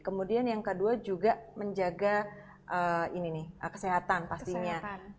kemudian yang kedua juga menjaga ini nih kesehatan pastinya